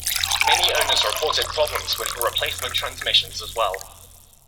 Many owners reported problems with the replacement transmissions as well.